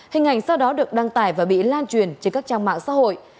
hình ảnh sau đó được đăng tải và bị lan truyền trên các trang mạng xã hội